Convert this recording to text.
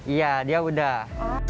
iya dia udah